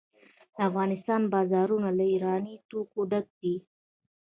د افغانستان بازارونه له ایراني توکو ډک دي.